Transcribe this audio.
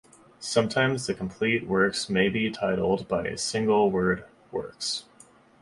Sometimes the complete works may be titled by a single word, "Works".